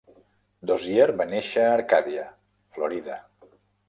Dozier va néixer a Arcadia (Florida).